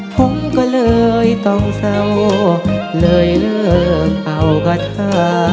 ผมก็เลยต้องเศร้าเลยเลือกเป่าขทะ